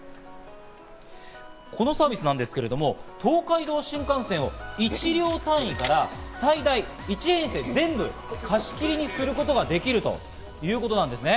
このサービスなんですけれども、東海道新幹線を１両単位から最大で１編成すべて貸し切りにすることができるということなんですね。